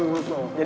untuk mohon maaf